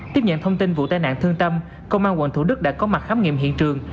tiếp nhận thông tin vụ tai nạn thương tâm công an quận thủ đức đã có mặt khám nghiệm hiện trường